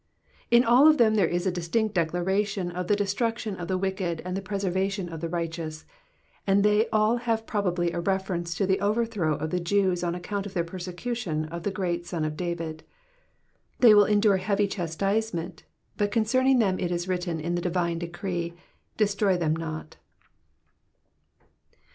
In all of them there is a distinct declaration of the destrudion of Oie wicked and the presenxjUion of the righteous, and they all Aaue probably a reference to the overthrow of the Jews, on account of their persecution of the great Son of David: they will endure heavy chastisement, bttt concerning them it is written in the divine decree, Destroy them not.